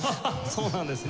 そうなんですね。